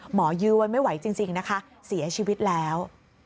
ยื้อไว้ไม่ไหวจริงนะคะเสียชีวิตแล้ว